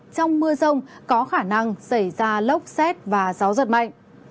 trong mưa rông có khả năng xảy ra lốc xét và gió giật mạnh